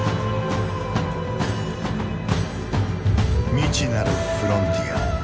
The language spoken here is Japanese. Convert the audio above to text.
未知なるフロンティア。